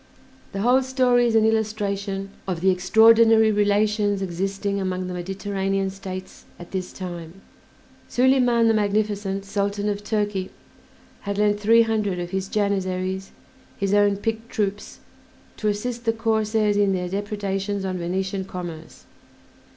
The whole story is an illustration of the extraordinary relations existing among the Mediterranean States at this time. Soliman the Magnificent, Sultan of Turkey, had lent three hundred of his Janissaries, his own picked troops, to assist the corsairs in their depredations on Venetian commerce.